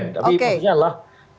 tapi maksudnya lah